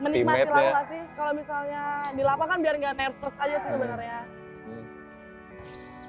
menikmati lama sih kalau misalnya di lapangan biar nggak nerpose aja sih sebenarnya